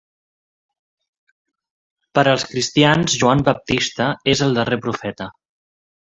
Per als cristians Joan Baptista és el darrer profeta.